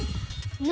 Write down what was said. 何？